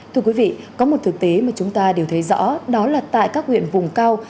thưa quý vị có một thực tế mà chúng ta đều thấy rõ đó là tại các huyện vùng cao